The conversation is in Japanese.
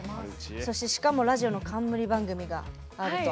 そして、しかもラジオの冠番組があると。